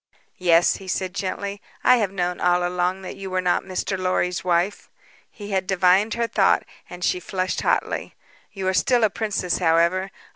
"Yes," he said gently; "I have known all along that you were not Mr. Lorry's wife." He had divined her thought and she flushed hotly. "You are still a princess, however.